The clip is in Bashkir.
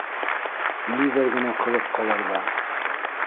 -Ниҙәр генә ҡылып ҡалырға?..